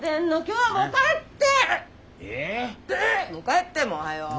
帰ってもうはよう。